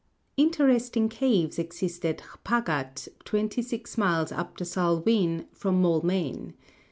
Interesting caves exist at Hpagat, twenty six miles up the Salween, from Moulmein.